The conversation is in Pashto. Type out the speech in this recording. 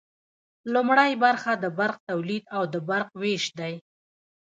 لومړی برخه د برق تولید او د برق ویش دی.